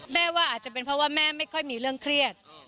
ว่าอาจจะเป็นเพราะว่าแม่ไม่ค่อยมีเรื่องเครียด